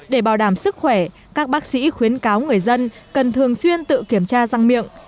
để bảo đảm sức khỏe các bác sĩ khuyến cáo người dân cần thường xuyên tự kiểm tra răng miệng